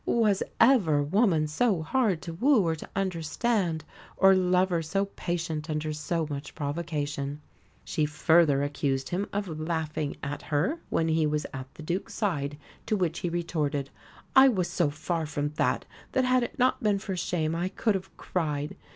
Was ever woman so hard to woo or to understand, or lover so patient under so much provocation? She further accused him of laughing at her when he was "at the Duke's side," to which he retorted "I was so far from that, that had it not been for shame I could have cried."